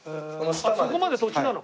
そこまで土地なの？